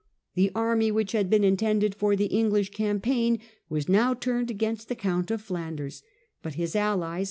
The army which had been intended for the English cam paign was now turned against the Count of Flanders, but his allies.